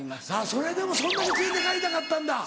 それでもそんなに連れて帰りたかったんだ。